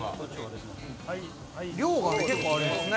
量が結構ありますね。